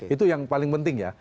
itu yang paling penting ya